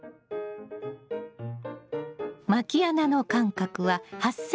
まき穴の間隔は８ｃｍ。